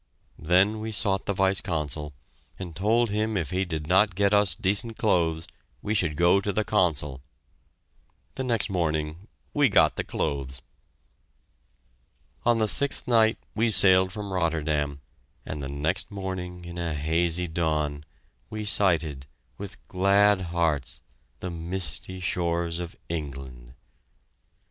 Then we sought the Vice Consul and told him if he did not get us decent clothes, we should go to the Consul. The next morning we got the clothes! On the sixth night we sailed from Rotterdam, and the next morning, in a hazy dawn, we sighted, with glad hearts, the misty shores of England.